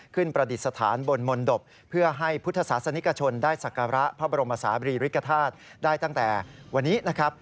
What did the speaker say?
ประดิษฐานบนมนตบเพื่อให้พุทธศาสนิกชนได้ศักระพระบรมศาบรีริกฐาตุได้ตั้งแต่วันนี้นะครับ